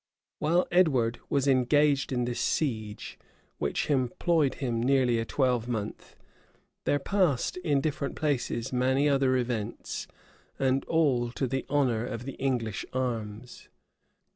While Edward was engaged in this siege, which employed him near a twelvemonth, there passed in different places many other events: and all to the honor of the English arms.